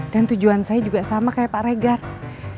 dan tujuan saya juga sama kayak pak regan ya pak